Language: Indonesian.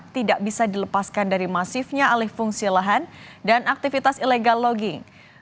tidak bisa dilepaskan dari masifnya alih fungsi lahan dan aktivitas illegal logging